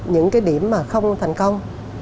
những cái điểm mà không thành công